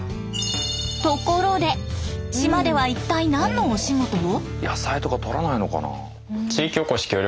ところで島では一体何のお仕事を？